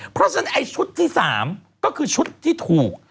เพราะฉะนั้นไอ้ชุดที่๓ก็คือชุดที่ถูก